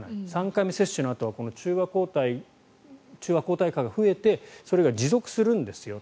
３回目接種のあとは中和抗体価が増えてそれが持続するんですよ。